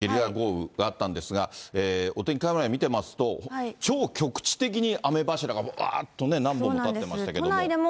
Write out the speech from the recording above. きのう、東京中心にゲリラ豪雨があったんですが、お天気カメラ見てみますと、超局地的に雨柱がわーっと何本も立っていましたけれども。